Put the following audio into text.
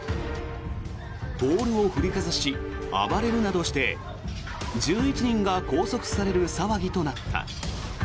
ポールを振りかざし暴れるなどして１１人が拘束される騒ぎとなった。